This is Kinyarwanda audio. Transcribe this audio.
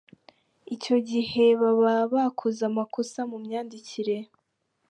Icyo gihe baba bakoze amakosa mu myandikire.